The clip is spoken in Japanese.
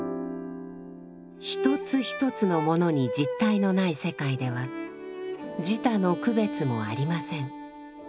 一つ一つのものに実体のない世界では自他の区別もありません。